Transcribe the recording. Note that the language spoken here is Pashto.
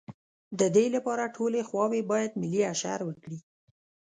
د دې لپاره ټولې خواوې باید ملي اشر وکړي.